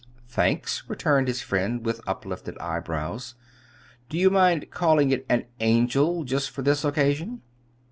"Thanks," returned his friend, with uplifted eyebrows. "Do you mind calling it 'an angel' just for this occasion?"